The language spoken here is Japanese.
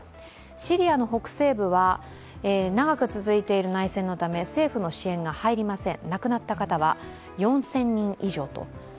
シリアの北西部は長く続いている内戦のため政府の支援が入りません。